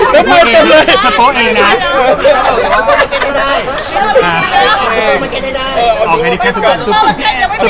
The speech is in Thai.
พี่เห็นไอ้เทรดเลิศเราทำไมวะไม่ลืมแล้ว